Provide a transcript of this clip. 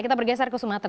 kita bergeser ke sumatera